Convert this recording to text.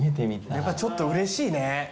やっぱちょっとうれしいね。